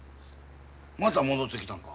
また戻ってきたんか？